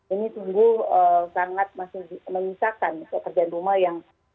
ini sungguh sangat masih menyisakan pekerjaan rumah yang